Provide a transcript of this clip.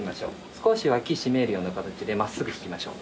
少し脇締めるような形で真っすぐ引きましょう。